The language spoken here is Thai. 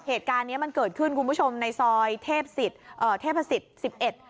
เหตุการณ์เนี้ยมันเกิดขึ้นคุณผู้ชมในซอยเทพศิษย์เอ่อเทพศิษย์สิบเอ็ด